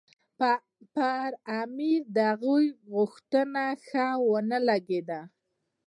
پر امیر د هغوی دا غوښتنه ښه ونه لګېده.